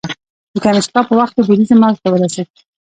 د کنیشکا په وخت کې بودیزم اوج ته ورسید